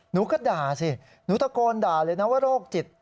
หนูก็ด่าสิหนูตะโกนด่าเลยนะว่าโรคจิต